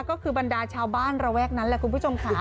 ก็คือบรรดาชาวบ้านระแวกนั้นแหละคุณผู้ชมค่ะ